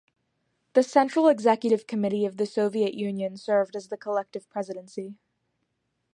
The Central Executive Committee of the Soviet Union served as the collective presidency.